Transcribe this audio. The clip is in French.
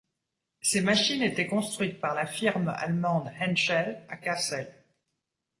Ces machines étaient construites par la firme allemande Henschel à Cassel.